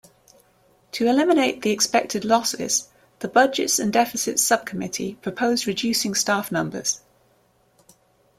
To eliminate the expected losses, the budgets and deficits subcommittee proposed reducing staff numbers.